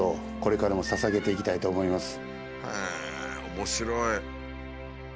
面白い！